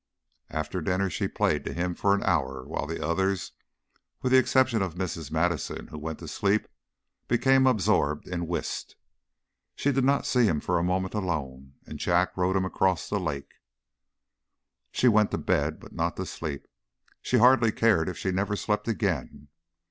After dinner she played to him for an hour, while the others, with the exception of Mrs. Madison, who went to sleep, became absorbed in whist. But she did not see him for a moment alone, and Jack rowed him across the lake. She went to her bed, but not to sleep. She hardly cared if she never slept again.